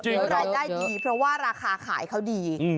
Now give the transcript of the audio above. แล้วรายได้ดีเพราะว่าราคาขายเขาดี